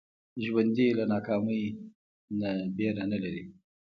ژوندي له ناکامۍ نه ویره نه لري